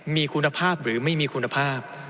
มีคุณภาพหรือไม่มีคุณภาพ